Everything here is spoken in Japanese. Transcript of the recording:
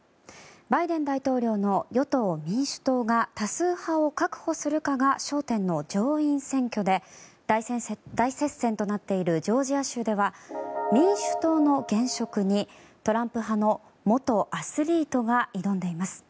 バイデン大統領の与党・民主党が多数派を確保するかが焦点の上院選挙で大接戦となっているジョージア州では民主党の現職にトランプ派の元アスリートが挑んでいます。